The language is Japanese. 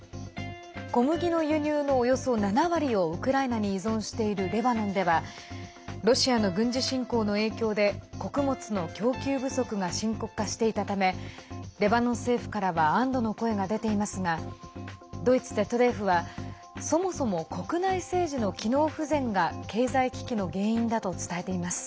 小麦の輸入のおよそ７割をウクライナに依存しているレバノンではロシアの軍事侵攻の影響で穀物の供給不足が深刻化していたためレバノン政府からは安どの声が出ていますがドイツＺＤＦはそもそも国内政治の機能不全が経済危機の原因だと伝えています。